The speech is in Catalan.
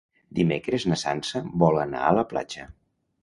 Dimecres na Sança vol anar a la platja.